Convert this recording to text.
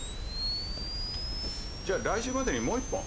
じゃ来週までにもう１本。